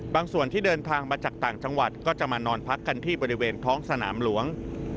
ส่วนที่เดินทางมาจากต่างจังหวัดก็จะมานอนพักกันที่บริเวณท้องสนามหลวง